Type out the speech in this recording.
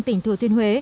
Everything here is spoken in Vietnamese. tỉnh thừa thiên huế